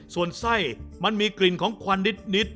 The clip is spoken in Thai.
ส่วนไส้มันมีกลิ่นของควันนิด